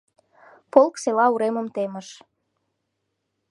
Полк села уремым темыш.